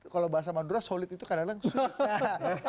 kalau bahasa madura solid itu kadang kadang susah